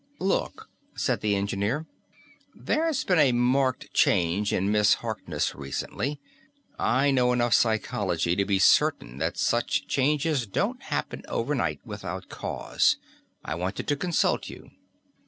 "Look," said the engineer, "there's been a marked change in Miss Harkness recently. I know enough psychology to be certain that such changes don't happen overnight without cause. I wanted to consult you."